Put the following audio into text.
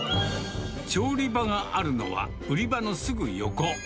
調理場があるのは、売り場のすぐ横。